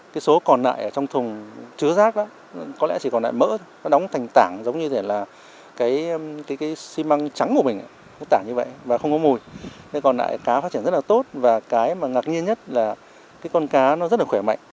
cái còn lại cá phát triển rất là tốt và cái mà ngạc nhiên nhất là cái con cá nó rất là khỏe mạnh